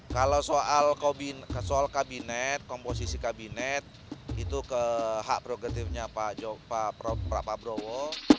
kalau soal kabinet komposisi kabinet itu ke hak prerogatifnya pak prabowo